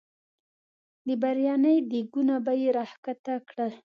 د بریاني دیګونه به یې را ښکته کړل.